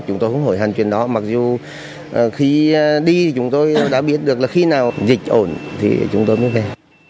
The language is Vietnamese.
chúng tôi không hỏi hẳn chuyện đó mặc dù khi đi chúng tôi đã biết được là khi nào dịch ổn thì chúng tôi mới về